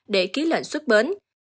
để ký lệnh xuất bến